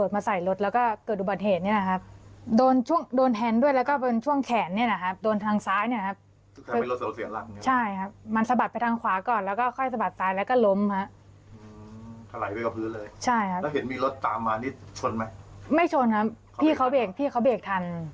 ไม่ชนครับพี่เขาเบรกพี่เขาเบรกทัน